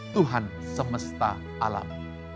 tuhan semesta alam